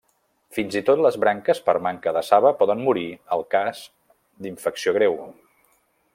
Fins i tot les branques per manca de saba poden morir al cas d'infecció greu.